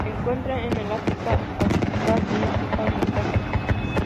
Se encuentra en el África austral y África oriental.